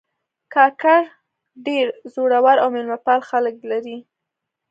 کاکړ ډېر زړور او میلمهپال خلک لري.